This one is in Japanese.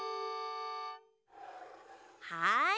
はい。